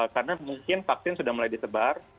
karena mungkin vaksin sudah mulai disebar